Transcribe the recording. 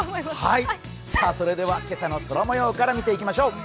それでは今朝の空もようから見ていきましょう。